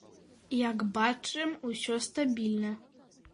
Як бачым, усё стабільна.